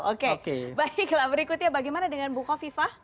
oke baiklah berikutnya bagaimana dengan buko viva